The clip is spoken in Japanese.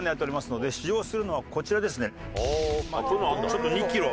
ちょっと２キロ。